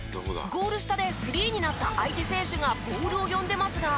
ゴール下でフリーになった相手選手がボールを呼んでますが。